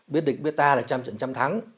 biết định biết ta là trăm trận trăm thắng